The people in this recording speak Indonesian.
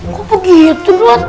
kok begitu buat